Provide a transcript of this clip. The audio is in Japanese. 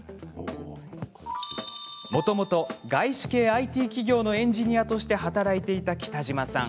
もともと外資系ＩＴ企業のエンジニアとして働いていた北島さん。